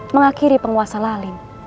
mengakhiri penguasa lalim